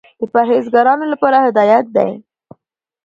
د پرهېزګارانو لپاره هدایت دى.